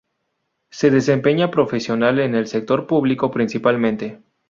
Se desempeña profesional en el sector público principalmente.